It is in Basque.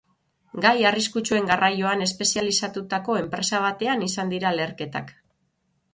Gai arriskutsuen garraioan espezializatutako enpresa batean izan dira leherketak.